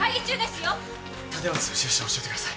立松の住所を教えてください。